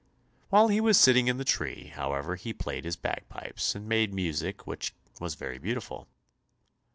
While he was sitting in the tree, however, he played his bagpipes, and made music which was very beautiful.